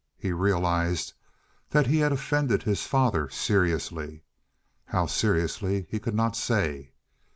He realized that he had offended his father seriously, how seriously he could not say.